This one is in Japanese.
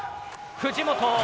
藤本！